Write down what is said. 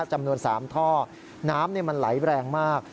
จำนวน๓ท่อน้ำมันไหลแรงมาก